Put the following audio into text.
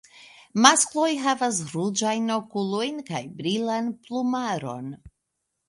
Maskloj havas ruĝajn okulojn kaj brilan plumaron.